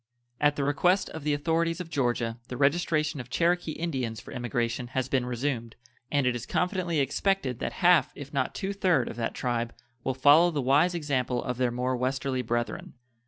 At the request of the authorities of Georgia the registration of Cherokee Indians for emigration has been resumed, and it is confidently expected that half, if not two third, of that tribe will follow the wise example of their more westerly brethren.